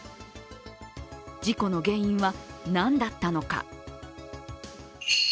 事故の原因は何だったのか。